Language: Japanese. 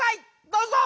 どうぞ。